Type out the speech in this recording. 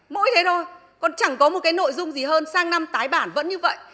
mỗi thế thôi còn chẳng có một cái nội dung gì hơn sang năm tái bản vẫn như vậy